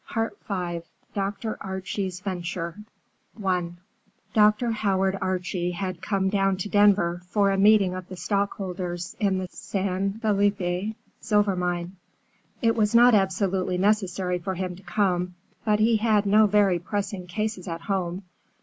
PART V. DR. ARCHIE'S VENTURE I Dr. Howard Archie had come down to Denver for a meeting of the stockholders in the San Felipe silver mine. It was not absolutely necessary for him to come, but he had no very pressing cases at home.